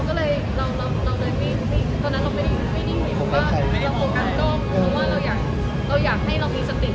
คือตอนที่เราแสดง